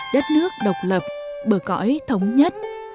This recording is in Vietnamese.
đất nước độc lập bờ cõi thống nhất